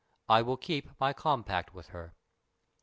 I will keep my compact with her."